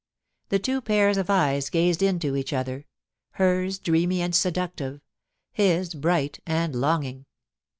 The two pairs of eyes gazed into each other — hers dreamy and seductive, his bright and longing.